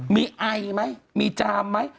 มีไอมั้ยมีจามมั้ย